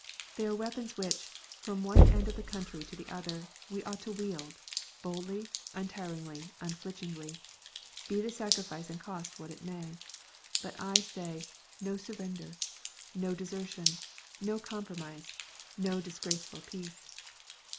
They are weapons which, from one end of the country to the other, we ought to wield, boldly, untiringly, unflinchingly, be the sacrifice and cost what it may. But I say, " No surrender ! No desertion ! No compromise ! No disgraceful peace